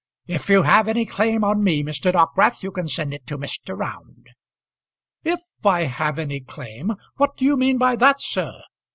"If you have any claim on me, Mr. Dockwrath, you can send it to Mr. Round." "If I have any claim! What do you mean by that, sir?